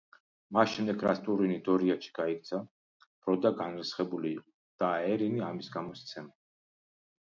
მას შემდეგ, რაც ტურინი დორიათში გაიქცა, ბროდა განრისხებული იყო და აერინი ამის გამო სცემა.